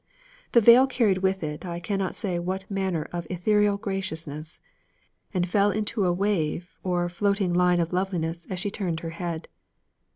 The veil carried with it I cannot say what manner of ethereal graciousness, and fell into a wave or floating line of loveliness as she turned her head.